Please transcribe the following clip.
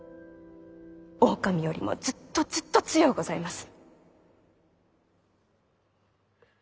狼よりもずっとずっと強うございます。